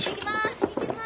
いきます！